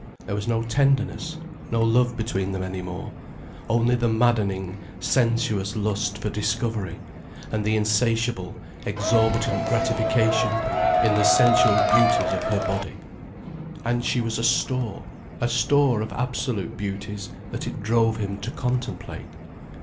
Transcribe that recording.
There was no tenderness, no love between them any more, only the maddening, sensuous lust for discovery and the insatiable, exorbitant gratification in the sensual beauties of her body. And she was a store, a store of absolute beauties that it drove him to contemplate.